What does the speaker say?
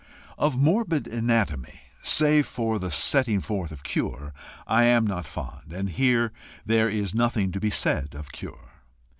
Of morbid anatomy, save for the setting forth of cure, I am not fond, and here there is nothing to be said of cure.